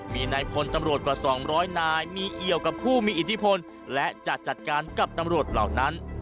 มีนายพลตำรวจกว่า๒๐๐นายมีเอี่ยวกับผู้มีอิทธิพลและจะจัดการกับตำรวจเหล่านั้น